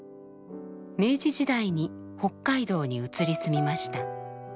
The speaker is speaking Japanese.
明治時代に北海道に移り住みました。